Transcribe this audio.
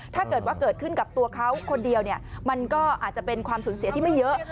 ถ้าเกิดว่าเกิดขึ้นกับตัวเขาคนเดียวมันก็อาจจะเป็นความสูญเสียที่ไม่เยอะ